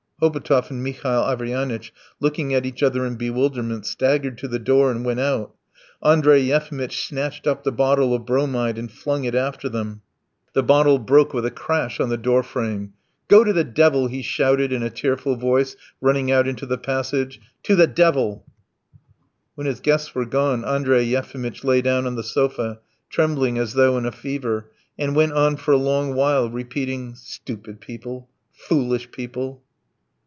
Hobotov and Mihail Averyanitch, looking at each other in bewilderment, staggered to the door and went out. Andrey Yefimitch snatched up the bottle of bromide and flung it after them; the bottle broke with a crash on the door frame. "Go to the devil!" he shouted in a tearful voice, running out into the passage. "To the devil!" When his guests were gone Andrey Yefimitch lay down on the sofa, trembling as though in a fever, and went on for a long while repeating: "Stupid people! Foolish people!"